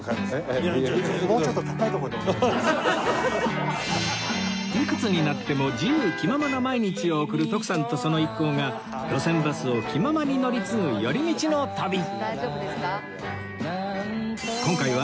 いくつになっても自由気ままな毎日を送る徳さんとその一行が路線バスを気ままに乗り継ぐ寄り道の旅